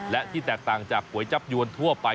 และที่แตกต่างจากก๋วยจับยวนทั่วไป